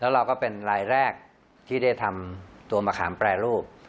แล้วเราก็เป็นรายแรกที่ได้ทำตัวมะขามแปรรูป